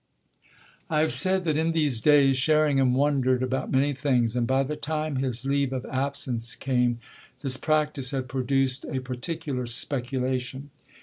I have said that in these days Sherringham wondered about many things, and by the time his leave of absence came this practice had produced a particular speculation.